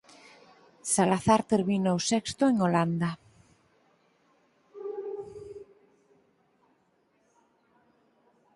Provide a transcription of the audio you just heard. Salazar terminou sexto en Holanda.